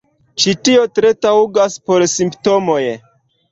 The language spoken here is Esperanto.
Ĉi tio tre taŭgas por Simptomoj.